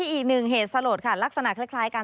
อีกหนึ่งเหตุสลดค่ะลักษณะคล้ายกัน